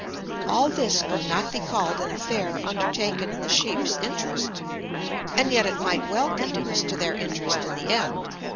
All this could not be called an affair undertaken in the sheep's interest. And yet it might well conduce to their interest in the end.